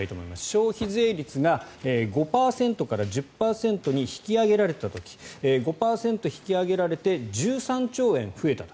消費税率が５％から１０％に引き上げられた時５％引き上げられて１３兆円増えたと。